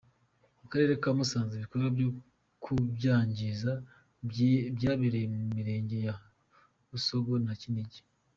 Mu karere ka Musanze ibikorwa bya kubyangiza byabereye mu mirenge ya Busogo na Kinigi.